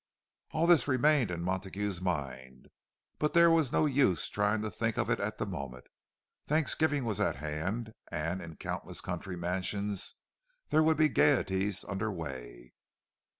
All this remained in Montague's mind; but there was no use trying to think of it at the moment. Thanksgiving was at hand, and in countless country mansions there would be gaieties under way.